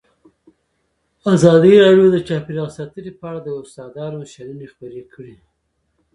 ازادي راډیو د چاپیریال ساتنه په اړه د استادانو شننې خپرې کړي.